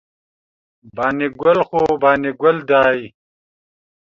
بانی ګل خو بانی ګل داي